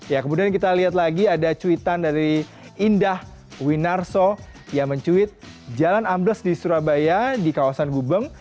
ya kemudian kita lihat lagi ada cuitan dari indah winarso yang mencuit jalan ambles di surabaya di kawasan gubeng